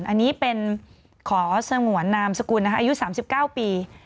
อันนี้เป็นขอสงวนนามสกุลอายุ๓๙ปี